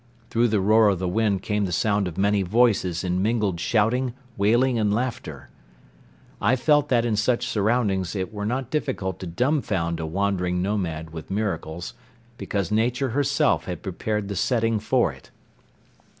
Through the roar of the wind came the sound of many voices in mingled shouting, wailing and laughter. I felt that in such surroundings it were not difficult to dumbfound a wandering nomad with miracles, because Nature herself had prepared the setting for it.